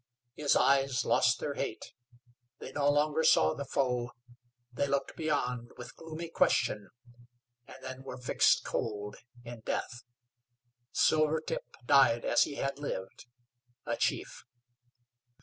His eyes lost their hate; they no longer saw the foe, they looked beyond with gloomy question, and then were fixed cold in death. Silvertip died as he had lived a chief.